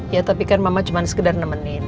ya tapi kan mama cuma sekedar nemenin